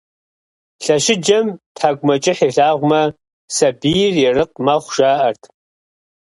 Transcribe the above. Лъэщыджэм тхьэкӀумэкӀыхь илъагъумэ, сабийр ерыкъ мэхъу, жаӀэрт.